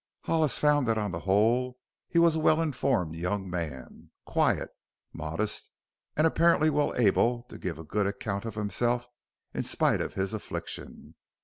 Hollis found that on the whole he was a well informed young man quiet, modest, and apparently well able to give a good account of himself in spite of his affliction.